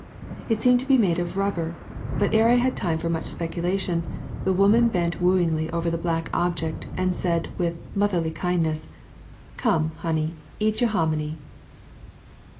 It seemed to be made of rubber; but ere I had time for much specu lation, the woman bent wooingly over the black object and said with motherly kindness, "Come, honey, eat yo' hominy."